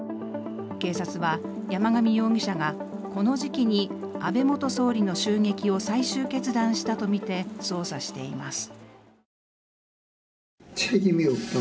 警察は山上容疑者がこの時期に安倍元総理の襲撃を最終決断したとみて捜査しています。